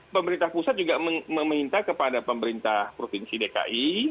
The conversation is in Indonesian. pemerintah pusat juga meminta kepada pemerintah provinsi dki